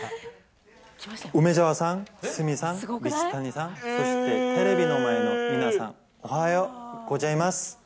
梅澤さん、鷲見さん、水谷さん、そしてテレビの前の皆さん、おはようございます。